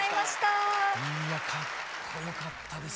いやかっこよかったです。